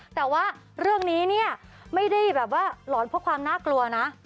แต่ว่าเรื่องนี้ไม่ได้หลอนเพราะความน่ากลัวนะ